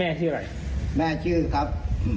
แม่ชื่อครับพันเครือครับ